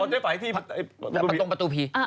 เอาเจ๊ไฝ่ที่ตรงประตูพี